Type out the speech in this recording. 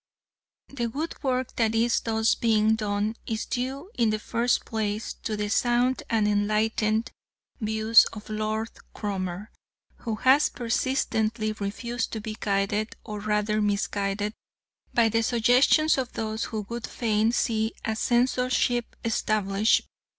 The good work that is thus being done is due in the first place to the sound and enlightened views of Lord Cromer, who has persistently refused to be guided, or rather misguided, by the suggestions of those who would fain see a censorship established.